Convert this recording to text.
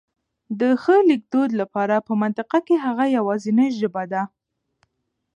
د ښه لیکدود لپاره په منطقه کي هغه يواځنۍ ژبه ده